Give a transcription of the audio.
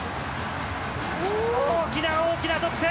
大きな大きな得点。